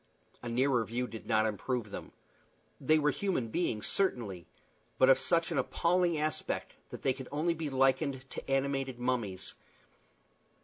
A nearer view did not improve them. They were human beings, certainly, but of such an appalling aspect that they could only be likened to animated mummies.